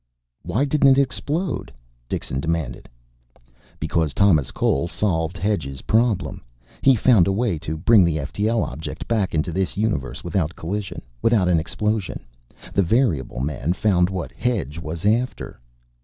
"Why didn't it explode?" Dixon demanded. "Because Thomas Cole solved Hedge's problem. He found a way to bring the ftl object back into this universe without collision. Without an explosion. The variable man found what Hedge was after...."